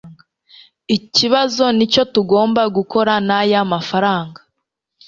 Ikibazo nicyo tugomba gukora naya mafranga